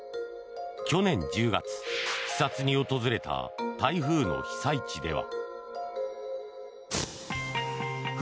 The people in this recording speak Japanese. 去年１０月、視察に訪れた台風の被災地では。